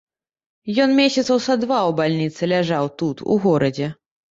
Ён месяцаў са два ў бальніцы ляжаў тут, у горадзе.